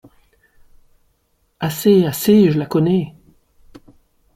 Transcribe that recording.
Assez, assez, je la connais…